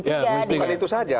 bukan itu saja